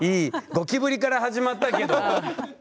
ゴキブリから始まったけど結果ね。